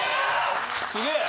すげえ。